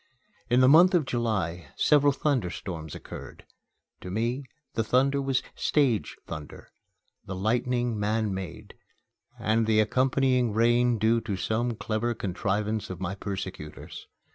In the month of July several thunder storms occurred. To me the thunder was "stage" thunder, the lightning man made, and the accompanying rain due to some clever contrivance of my persecutors.